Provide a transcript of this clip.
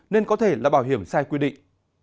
nên có thể là bảo hiểm sai quy định